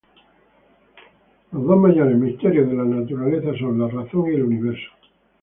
Los dos mayores misterios de la naturaleza son la Razón y el Universo.